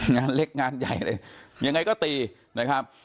งานเล็กงานใหญ่เลยยังไงก็ตีนะครับ